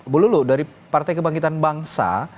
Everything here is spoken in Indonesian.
bu lulu dari partai kebangkitan bangsa